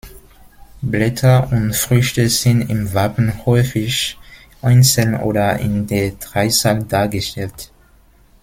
Blätter und Früchte sind im Wappen häufig einzeln oder in der Dreizahl dargestellt.